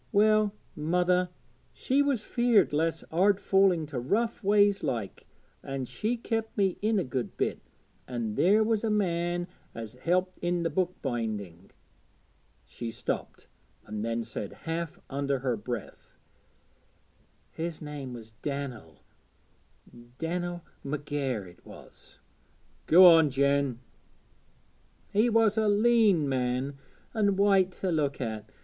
Well, mother, she was feared lest I'd fall into rough ways like, an' she kep' me in a good bit, an' there was a man as helped i' the book binding ' she stopped, and then said half under her breath 'His name was Dan'el, Dan'el McGair, it was.' 'Go on, Jen.' 'He was a leän man and white to look at.